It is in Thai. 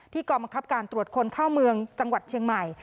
กองบังคับการตรวจคนเข้าเมืองจังหวัดเชียงใหม่